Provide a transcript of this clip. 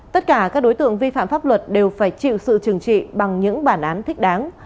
tất cả các đối tượng vi phạm pháp luật đều phải chịu sự trừng trị bằng những bản án thích đáng